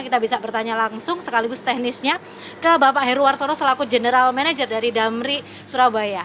kita bisa bertanya langsung sekaligus teknisnya ke bapak heru warsono selaku general manager dari damri surabaya